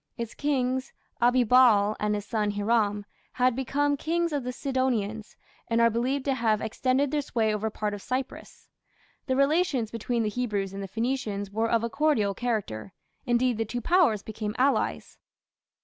Its kings, Abibaal and his son Hiram, had become "Kings of the Sidonians", and are believed to have extended their sway over part of Cyprus. The relations between the Hebrews and the Phoenicians were of a cordial character, indeed the two powers became allies.